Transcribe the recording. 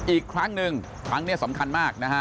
อีกครั้งหนึ่งครั้งนี้สำคัญมากนะฮะ